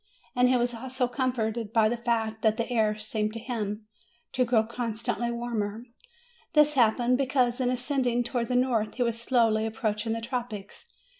And he was also comforted by the fact that the air seemed to him 282 MAY to grow constantly warmer. This happened, because, in ascending towards the north, he was slowly ap proaching the tropics.